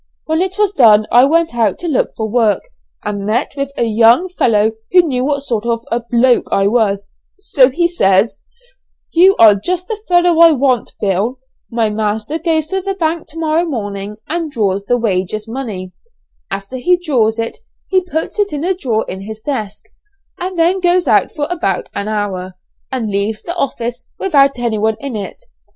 When it was done I went out to look for work, and met with a young fellow who knew what sort of a 'bloke' I was, so he says 'You are just the fellow I want, Bill; my master goes to the bank to morrow morning, and draws the wages money, after he draws it he puts it in a drawer in his desk, and then goes out for about an hour, and leaves the office without anyone in it.